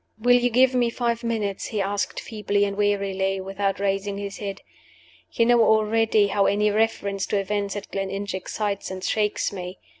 "Will you give me five minutes?" he asked, feebly and wearily, without raising his head. "You know already how any reference to events at Gleninch excites and shakes me.